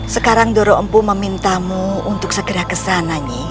sekarang doro empu memintamu untuk segera kesana nyi